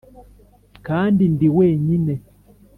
kandi ndi wenyine;